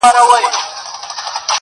اوس دادی.